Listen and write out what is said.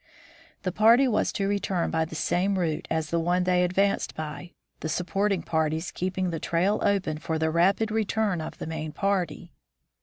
The party was to return by the same route as the one they advanced by, the supporting parties keeping the trail open for the rapid return of the main party.